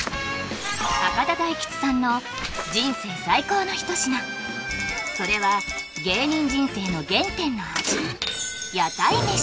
博多大吉さんの人生最高の一品それは芸人人生の原点の味